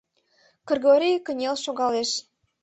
Кыргорий кынел шогалеш.